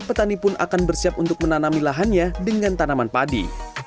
petani pun akan bersiap untuk menanami lahannya dengan tanaman padi